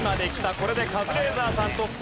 これでカズレーザーさんトップ。